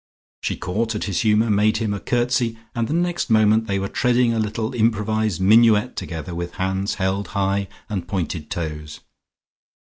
She caught at his humour, made him a curtsey, and next moment they were treading a little improvised minuet together with hands held high, and pointed toes.